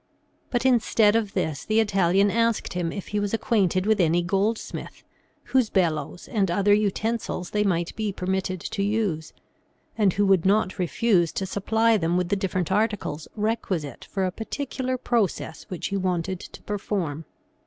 But instead of this, the Italian asked him if he was acquainted with any gold smith, whose bellows and other utensils they might be permitted to use, and who would not refuse to supply them with the different articles requisite for a particular process which he wanted to perform.